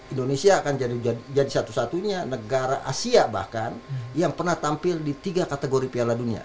indonesia akan jadi satu satunya negara asia bahkan yang pernah tampil di tiga kategori piala dunia